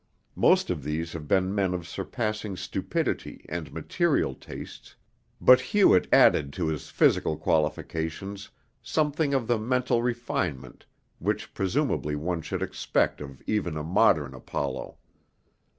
Most of these have been men of surpassing stupidity and material tastes, but Hewett added to his physical qualifications something of the mental refinement which presumably one should expect of even a modern Apollo.